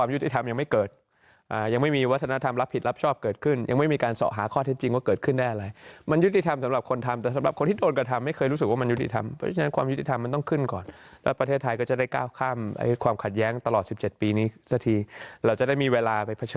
ยุติธรรมยังไม่เกิดยังไม่มีวัฒนธรรมรับผิดรับชอบเกิดขึ้นยังไม่มีการสอบหาข้อเท็จจริงว่าเกิดขึ้นได้อะไรมันยุติธรรมสำหรับคนทำแต่สำหรับคนที่โดนกระทำไม่เคยรู้สึกว่ามันยุติธรรมเพราะฉะนั้นความยุติธรรมมันต้องขึ้นก่อนแล้วประเทศไทยก็จะได้ก้าวข้ามความขัดแย้งตลอด๑๗ปีนี้สักทีเราจะได้มีเวลาไปเผชิ